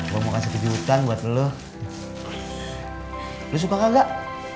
gue mau kasih duit buat lo lo suka nggak